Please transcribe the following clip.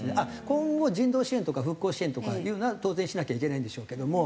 今後人道支援とか復興支援とかっていうのは当然しなきゃいけないんでしょうけども。